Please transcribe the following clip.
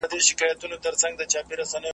نه هګۍ پرېږدي نه چرګه په کوڅه کي .